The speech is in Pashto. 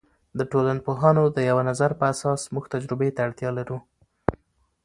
د ټولنپوهانو د یوه نظر په اساس موږ تجربې ته اړتیا لرو.